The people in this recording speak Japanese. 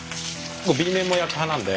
Ｂ面も焼く派なんで。